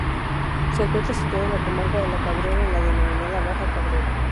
Se encuentra situado en la Comarca de La Cabrera, en la denominada Baja Cabrera.